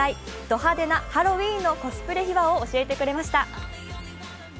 ド派手なハロウィーンのコスプレ秘話を教えてくれました。